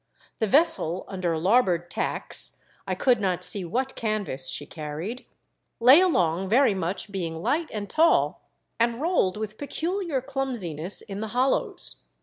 The vessel under larboard tacks — I could not see what canvas she carried — lay along very much, being light and tall, and rolled with peculiar clumsiness in the hollows.